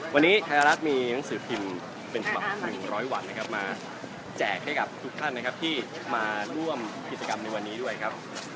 วันนี้ไทยรัฐมีหนังสือพิมพ์เป็นฉบับ๑๐๐วันนะครับมาแจกให้กับทุกท่านนะครับที่มาร่วมกิจกรรมในวันนี้ด้วยครับ